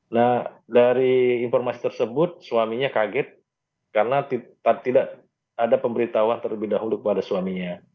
nah dari informasi tersebut suaminya kaget karena tidak ada pemberitahuan terlebih dahulu kepada suaminya